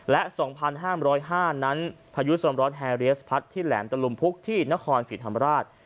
และ๒๕๐๕นั้นพายุสมร้อนแฮเรียสพัดที่แหลมตะลุมพุกที่นครศรีธรรมราช